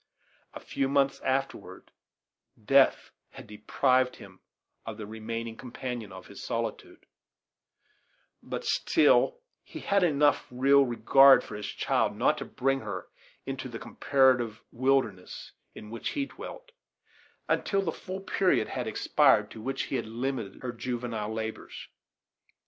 A few months afterward death had deprived him of the remaining companion of his solitude; but still he had enough real regard for his child not to bring her into the comparative wilderness in which he dwelt, until the full period had expired to which he had limited her juvenile labors.